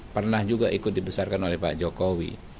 pernah juga ikut dibesarkan oleh pak jokowi